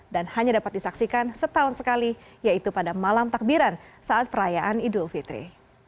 dan hanya dapat disaksikan setahun sekali yaitu pada malam takbiran saat perayaan idul fitri